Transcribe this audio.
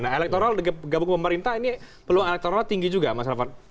nah elektoral gabung pemerintah ini peluang elektoral tinggi juga mas raffan